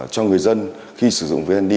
cho người dân khi sử dụng vneid